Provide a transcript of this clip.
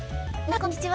こんにちは。